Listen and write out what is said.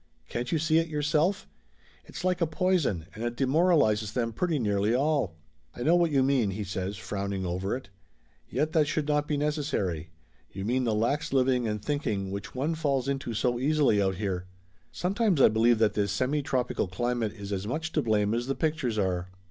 Can't you see it, yourself? It's like a poison and it demoralizes them pretty nearly all." "I know what you mean," he says frowning over it. "Yet that should not be necessary. You mean the lax living and thinking which one falls into so easily out Laughter Limited 331 here. Sometimes I believe that this semi tropical cli mate is as much to blame as the pictures are."